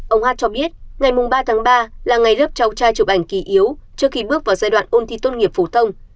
ông hát cho biết ngày ba tháng ba là ngày lớp cháu trai chụp ảnh kỳ yếu trước khi bước vào giai đoạn ôn thi tốt nghiệp phổ thông